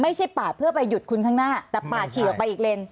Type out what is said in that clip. ปาดเพื่อไปหยุดคุณข้างหน้าแต่ปาดฉี่ออกไปอีกเลน